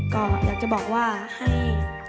ก็อยากจะบอกว่าให้